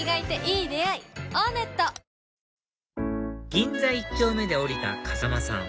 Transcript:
銀座一丁目で降りた風間さん